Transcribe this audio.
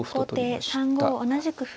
後手３五同じく歩。